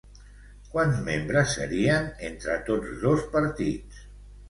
Quants membres serien entre tots dos partits?